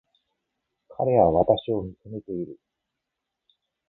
彼は私を見つめている